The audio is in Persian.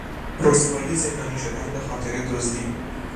رسوایی زندانی شدن به خاطر دزدی